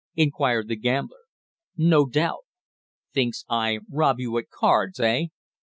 inquired the gambler. "No doubt." "Thinks I rob you at cards, eh?"